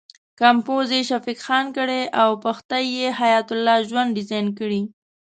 کمپوز یې شفیق خان کړی او پښتۍ یې حیات الله ژوند ډیزاین کړې.